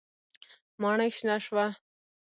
ماڼۍ شنه شوه.